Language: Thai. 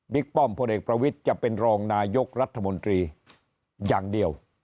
ป้อมพลเอกประวิทย์จะเป็นรองนายกรัฐมนตรีอย่างเดียว